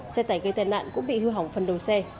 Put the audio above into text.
xe tải gây tên nặng cũng bị hư hỏng phần đầu xe